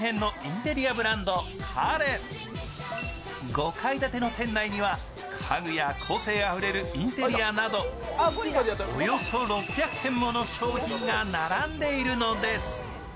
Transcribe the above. ５階建ての店内には家具や個性あふれるインテリアなどおよそ６００点もの商品が並んでいるのです。